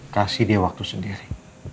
kasih dia waktu sendiri